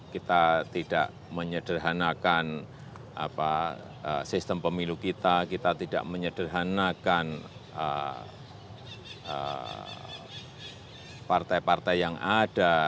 kita tidak menyederhanakan sistem pemilu kita kita tidak menyederhanakan partai partai yang ada